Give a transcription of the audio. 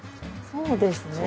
そうですね。